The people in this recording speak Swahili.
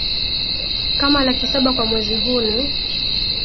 kama laki saba kwa mwezi Huu ni